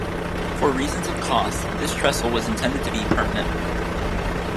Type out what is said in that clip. For reasons of cost, this trestle was intended to be permanent.